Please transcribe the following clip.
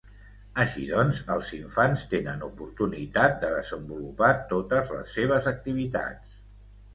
Així doncs, els infants tenen oportunitat de desenvolupar totes les seves activitats.